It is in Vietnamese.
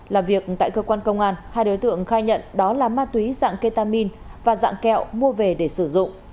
làm việc tại cơ quan công an hai đối tượng khai nhận đó là ma túy dạng ketamin và dạng kẹo mua về để sử dụng